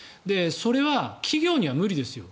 それは企業には無理ですよ。